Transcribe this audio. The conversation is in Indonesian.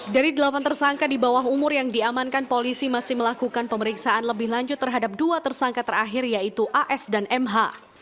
dari delapan tersangka di bawah umur yang diamankan polisi masih melakukan pemeriksaan lebih lanjut terhadap dua tersangka terakhir yaitu as dan mh